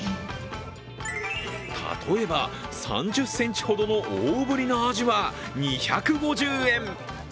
例えば３０ｃｍほどの大ぶりなアジは２５０円。